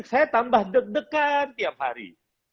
saya tambah deg degan tiap hari